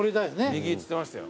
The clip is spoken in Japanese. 右っつってましたよ。